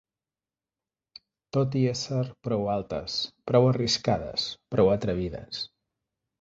Tot i ésser prou altes, prou arriscades, prou atrevides